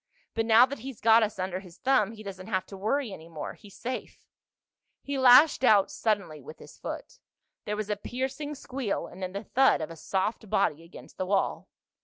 "But now that he's got us under his thumb he doesn't have to worry any more. He's safe." He lashed out suddenly with his foot. There was a piercing squeal and then the thud of a soft body against the wall.